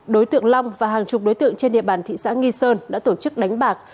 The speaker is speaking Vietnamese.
đối tượng long và hàng chục đối tượng trên địa bàn thị xã nghi sơn đã tổ chức đánh bạc